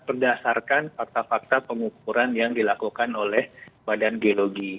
berdasarkan fakta fakta pengukuran yang dilakukan oleh badan geologi